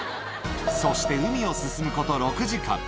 そして海を進むこと６時間。